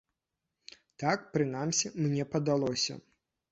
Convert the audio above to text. Так, прынамсі, мне падалося.